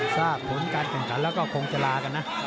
ทราบผลการแข่งขันแล้วก็คงจะลากันนะ